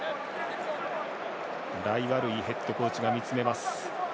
ライワルイヘッドコーチも見つめます。